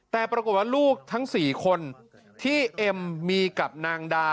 แต่ปรากฏว่าลูกทั้ง๔คนที่เอ็มมีกับนางดา